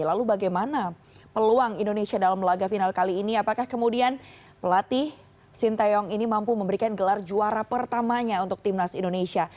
lalu bagaimana peluang indonesia dalam laga final kali ini apakah kemudian pelatih sinteyong ini mampu memberikan gelar juara pertamanya untuk timnas indonesia